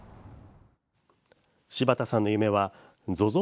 柴田さんの夢はＺＯＺＯ